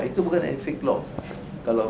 itu bukan anti fake law